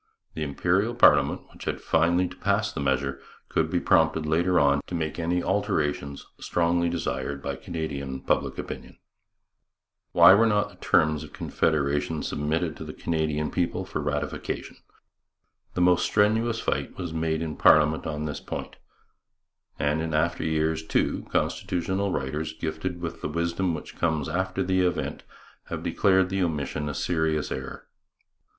The Imperial parliament, which was finally to pass the measure, could be prompted later on to make any alterations strongly desired by Canadian public opinion. Why were not the terms of Confederation submitted to the Canadian people for ratification? The most strenuous fight was made in parliament on this point, and in after years, too, constitutional writers, gifted with the wisdom which comes after the event, have declared the omission a serious error.